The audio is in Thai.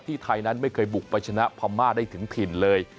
ไทยนั้นไม่เคยบุกไปชนะพม่าได้ถึงถิ่นเลย